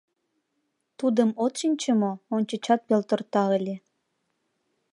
— Тудым от шинче мо, ончычат пелторта ыле.